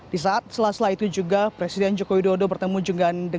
di saat sela sela itu juga presiden joko widodo bertemu dengan